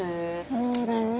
そうだね。